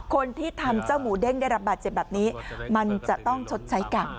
คนที่ทำเจ้าหมูเด้งได้รับบาดเจ็บแบบนี้มันจะต้องชดใช้กรรม